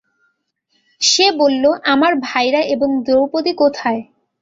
সে বললো আমার ভাইরা এবং দ্রৌপদী কোথায়?